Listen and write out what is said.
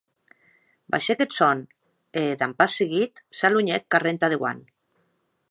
Baishèc eth sòn, e, damb pas seguit, s’aluenhèc carrèr entà dauant.